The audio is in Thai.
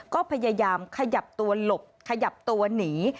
ก็พยายามขยับตัวหลบขยับตัวหนี